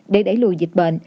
để đẩy lùi dịch bệnh